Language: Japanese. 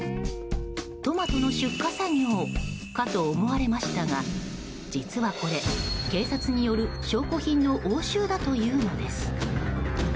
トマトの出荷作業かと思われましたが実はこれ警察による証拠品の押収だというのです。